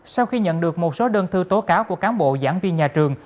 sau khi nhận được một số đơn thư tố cáo của cán bộ giảng viên nhà trường